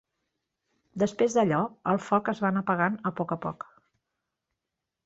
Després d'allò, el foc es va anar apagant a poc a poc.